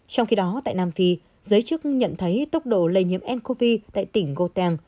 trong khi đó tại nam phi giới chức nhận thấy tốc độ lây nhiễm ncov tại tỉnh goten